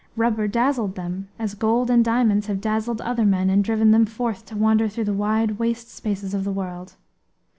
Rubber dazzled them, as gold and diamonds have dazzled other men and driven them forth to wander through the wide waste spaces of the world.